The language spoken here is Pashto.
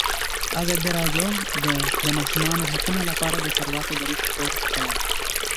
ازادي راډیو د د ماشومانو حقونه لپاره د چارواکو دریځ خپور کړی.